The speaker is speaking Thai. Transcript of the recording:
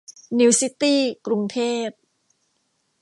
นิวซิตี้ กรุงเทพ